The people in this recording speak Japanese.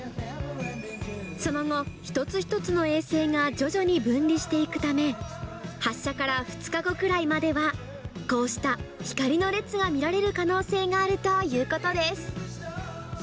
その後、一つ一つの衛星が徐々に分離していくため、発射から２日後くらいまでは、こうした光の列が見られる可能性があるということです。